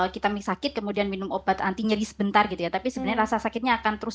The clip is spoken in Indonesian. kita sakit kemudian minum obat anti nyeri sebentar gitu ya tapi sebenarnya rasa sakitnya akan terus